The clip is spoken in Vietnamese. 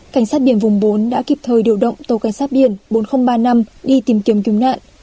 cảnh sát biển vùng bốn đã kịp thời điều động tàu cảnh sát biển bốn nghìn ba mươi năm đi tìm kiếm cứu nạn